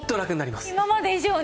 今まで以上に？